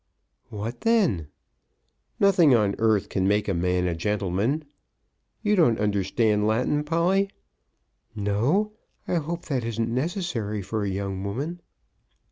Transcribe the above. "What then?" "Nothing on earth can make a man a gentleman. You don't understand Latin, Polly?" "No. I hope that isn't necessary for a young woman."